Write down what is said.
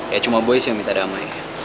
ya cuma boy sih yang minta damai